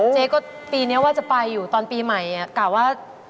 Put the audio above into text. เจ๊ก็ปีนี้ว่าจะไปอยู่ตอนปีใหม่กล่าวว่า